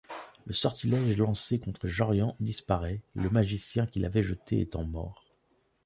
Le sortilège lancé contre Jorian disparaît, le magicien qui l'avait jeté étant mort.